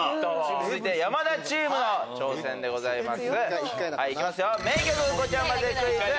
続いて山田チームの挑戦でございます。